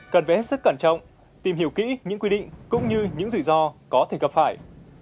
cần phải hết sức cẩn trọng tìm hiểu kỹ những quy định cũng như những rủi ro có thể gặp phải